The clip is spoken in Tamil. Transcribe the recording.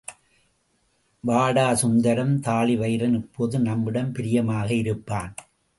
வாடா சுந்தரம், தாழிவயிறன் இப்போது நம்மிடம் பிரியமாக இருப்பான்.